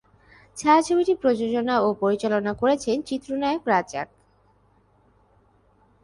ছায়াছবিটি প্রযোজনা ও পরিচালনা করেছেন চিত্রনায়ক রাজ্জাক।